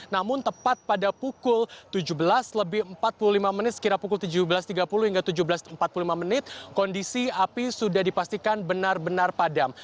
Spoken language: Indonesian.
namun tepat pada pukul tujuh belas lebih empat puluh lima menit sekira pukul tujuh belas tiga puluh hingga tujuh belas empat puluh lima menit kondisi api sudah dipastikan benar benar padam